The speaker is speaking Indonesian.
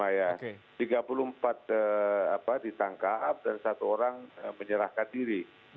tiga puluh lima ya tiga puluh empat ditangkap dan satu orang menyerahkan diri